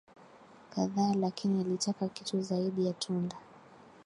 kadhaa lakini alitaka kitu zaidi ya tunda